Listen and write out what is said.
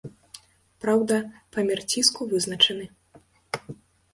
Праўда, памер ціску вызначаны.